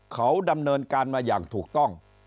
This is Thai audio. เขาดำเนินการมาอย่างถูกต้อง